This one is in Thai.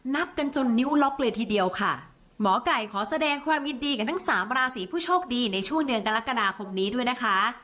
นับกันจนนิ้วล็อกเลยทีเดียวค่ะหมอไก่ขอแสดงความยินดีกับทั้งสามราศีผู้โชคดีในช่วงเดือนกรกฎาคมนี้ด้วยนะคะ